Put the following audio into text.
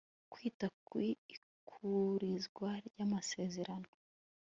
Kwita ku ikurikizwa ry amasezerano